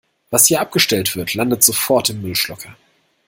Was hier abgestellt wird, landet sofort im Müllschlucker.